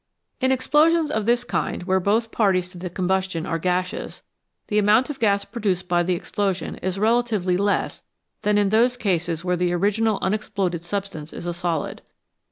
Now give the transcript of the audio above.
In explosions of this kind, where both parties to the combustion are gaseous, the amount of gas produced by the explosion is relatively less than in those cases where the original unexploded substance is a solid.